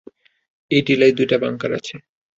এই টিলায় দুইটা বাঙ্কার আছে।